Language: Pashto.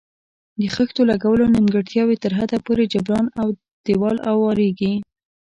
د خښتو لګولو نیمګړتیاوې تر حده پورې جبران او دېوال اواریږي.